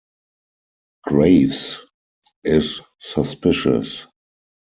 Graves, is suspicious.